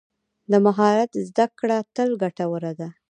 د مهارت زده کړه تل ګټوره ده.